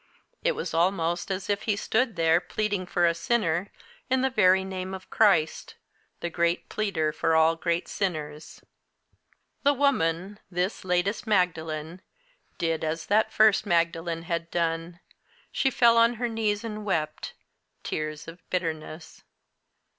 It was almost as if he stood there, pleading for a sinner, in the very Name of Christ the great Pleader for all great sinners. The woman, this latest Magdalene, did as that first Magdalene had done, she fell on her knees and wept tears of bitterness.